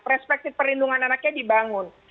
perspektif perlindungan anaknya dibangun